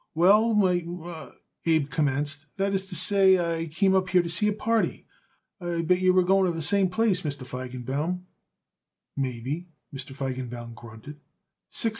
"We m " Abe commenced "that is to say, I come up here to see a party. I bet yer we're going to the same place, Mr. Feigenbaum." "Maybe," Mr. Feigenbaum grunted.